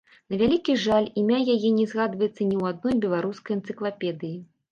На вялікі жаль, імя яе не згадваецца ні ў адной беларускай энцыклапедыі.